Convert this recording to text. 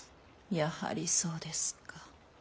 やはりそうですか。